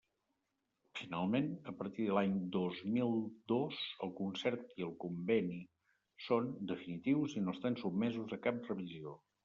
Finalment, a partir de l'any dos mil dos el concert i el conveni són definitius i no estan sotmesos a cap revisió.